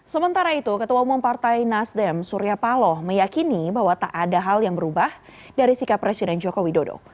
sementara itu ketua umum partai nasdem surya paloh meyakini bahwa tak ada hal yang berubah dari sikap presiden joko widodo